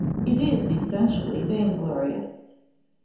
It is essentially vainglorious.